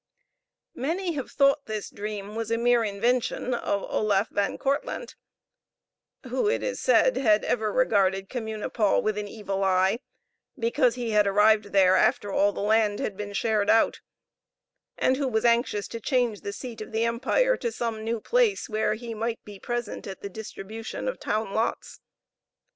Many have thought this dream was a mere invention of Oloffe Van Kortlandt, who, it is said, had ever regarded Communipaw with an evil eye, because he had arrived there after all the land had been shared out, and who was anxious to change the seat of empire to some new place, where he might be present at the distribution of "town lots."